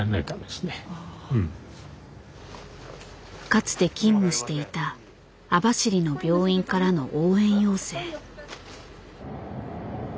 かつて勤務していた網走の病院からの応援要請。